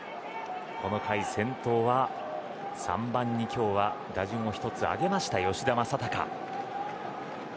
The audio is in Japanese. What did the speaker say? この回、先頭は３番に今日は打順を１つ上げました吉田正尚。